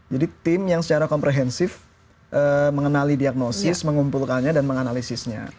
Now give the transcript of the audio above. jadi tim yang secara komprehensif mengenali diagnosis mengumpulkannya dan menganalisisnya